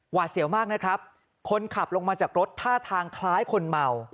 เสียวมากนะครับคนขับลงมาจากรถท่าทางคล้ายคนเมา